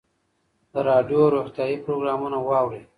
د راډیو روغتیایي پروګرامونه واورئ.